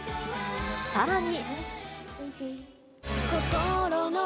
さらに。